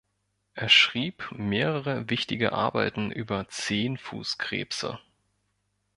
Er schrieb mehrere wichtige Arbeiten über Zehnfußkrebse.